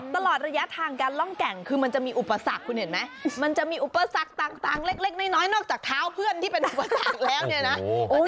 ตลอดระยะทางการล่องแก่งคือมันจะมีอุปสรรคคุณเห็นไหมมันจะมีอุปสรรคต่างเล็กน้อยนอกจากเท้าเพื่อนที่เป็นอุปสรรคแล้วเนี่ยนะ